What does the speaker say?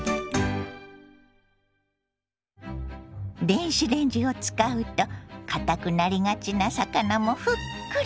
電子レンジを使うとかたくなりがちな魚もふっくら。